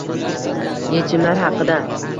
Yechimlar haqida